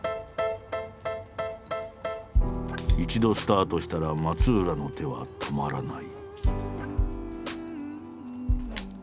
一度スタートしたら松浦の手は止まらない。